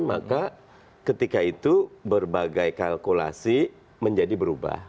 maka ketika itu berbagai kalkulasi menjadi berubah